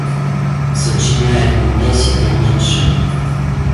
Сочиняет не десять, а меньше.